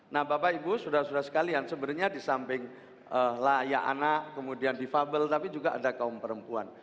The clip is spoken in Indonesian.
nah bapak ibu saudara saudara sekalian sebenarnya di samping layak anak kemudian defable tapi juga ada kaum perempuan